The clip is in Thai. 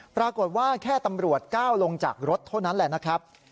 ปรากฏว่าแค่ตำรวจก้าวลงจากรถเท่านั้นแหละนะครับ